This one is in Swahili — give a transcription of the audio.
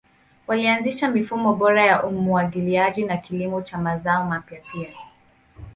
Walianzisha mifumo bora ya umwagiliaji na kilimo cha mazao mapya pia.